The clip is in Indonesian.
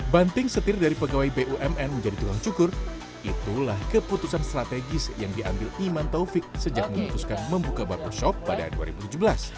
banting setir dari pegawai bumn menjadi tukang cukur itulah keputusan strategis yang diambil iman taufik sejak memutuskan membuka barbershop pada dua ribu tujuh belas